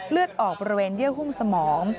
เลือดออกบริเวณเยื่อหุ้มสมอง